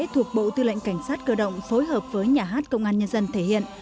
thuộc bộ tư lệnh cảnh sát cơ động phối hợp với nhà hát công an nhân dân thể hiện